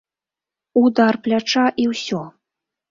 Удар пляча і ўсё.